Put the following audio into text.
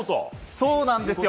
そうなんです。